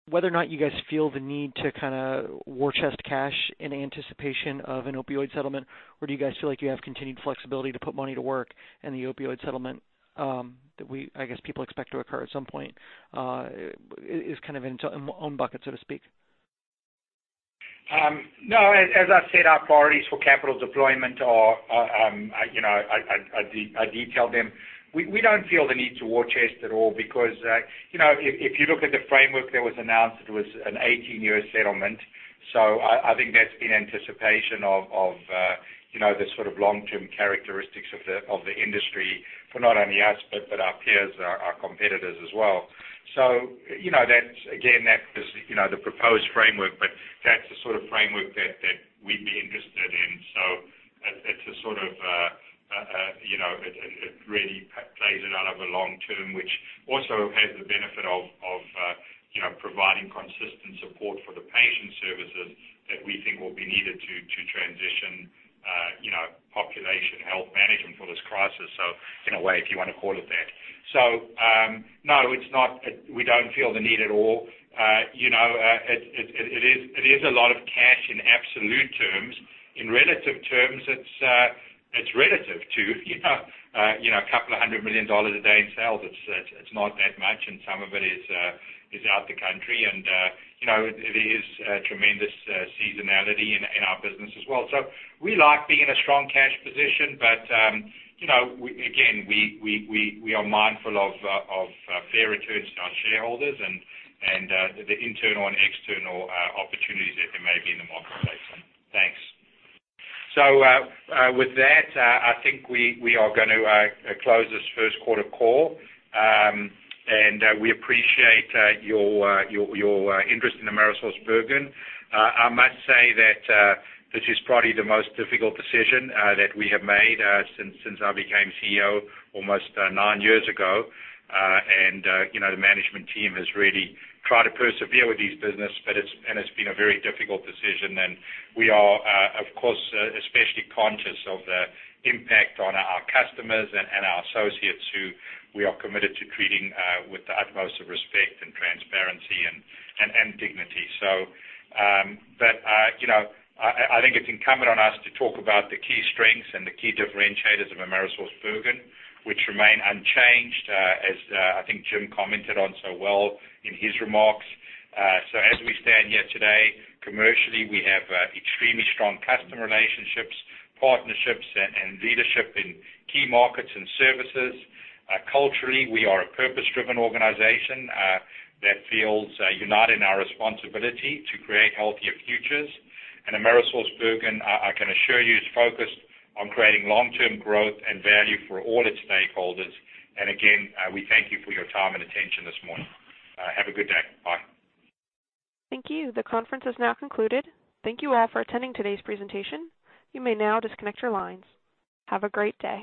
whether or not you guys feel the need to war chest cash in anticipation of an opioid settlement? Or do you guys feel like you have continued flexibility to put money to work and the opioid settlement, that I guess people expect to occur at some point, is in its own bucket, so to speak? No, as I said, our priorities for capital deployment are, I detailed them. We don't feel the need to war chest at all because, if you look at the framework that was announced, it was an 18-year settlement. I think that's in anticipation of the sort of long-term characteristics of the industry for not only us, but our peers, our competitors as well. Again, that was the proposed framework, but that's the sort of framework that we'd be interested in. It really plays it out over long-term, which also has the benefit of providing consistent support for the patient services that we think will be needed to transition population health management for this crisis. In a way, if you want to call it that. No, we don't feel the need at all. It is a lot of cash in absolute terms.. In relative terms, it's relative to a couple of hundred million dollars a day in sales. It's not that much, and some of it is out the country. It is tremendous seasonality in our business as well. We like being in a strong cash position, but, again, we are mindful of fair returns to our shareholders and the internal and external opportunities that there may be in the marketplace. Thanks. With that, I think we are going to close this first quarter call. We appreciate your interest in AmerisourceBergen. I must say that this is probably the most difficult decision that we have made since I became CEO almost nine years ago. The management team has really tried to persevere with this business, and it's been a very difficult decision. We are, of course, especially conscious of the impact on our customers and our associates, who we are committed to treating with the utmost of respect and transparency and dignity. I think it's incumbent on us to talk about the key strengths and the key differentiators of AmerisourceBergen, which remain unchanged, as I think Jim commented on so well in his remarks. As we stand here today, commercially, we have extremely strong customer relationships, partnerships, and leadership in key markets and services. Culturally, we are a purpose-driven organization that feels united in our responsibility to create healthier futures. AmerisourceBergen, I can assure you, is focused on creating long-term growth and value for all its stakeholders. Again, we thank you for your time and attention this morning. Have a good day. Bye. Thank you. The conference has now concluded. Thank you all for attending today's presentation. You may now disconnect your lines. Have a great day.